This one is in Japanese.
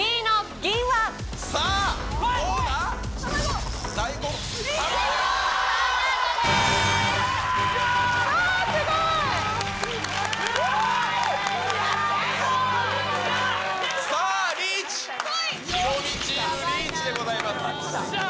ヒロミチーム、リーチでございます。